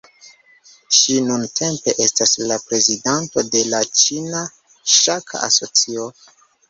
Ŝi nuntempe estas la prezidanto de la Ĉina Ŝaka Asocio.